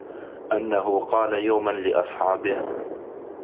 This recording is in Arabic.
أَنَّهُ قَالَ يَوْمًا لِأَصْحَابِهِ